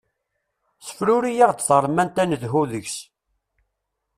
Ssefruri-aɣ-d taremmant ad nedhu deg-s.